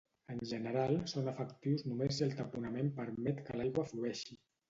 En general, són efectius només si el taponament permet que l'aigua flueixi.